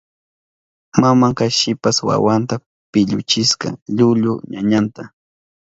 Mamanka shipas wawanta pilluchishka llullu ñañanta.